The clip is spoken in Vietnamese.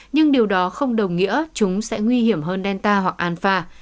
nhưng điều đó không đồng nghĩa chúng sẽ nguy hiểm hơn delta hoặc alpha